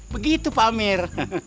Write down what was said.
begitu pak amir